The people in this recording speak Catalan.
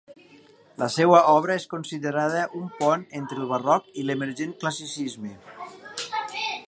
La seua obra es considera un pont entre el Barroc i l'emergent Classicisme.